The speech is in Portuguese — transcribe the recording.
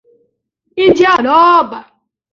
Indiaroba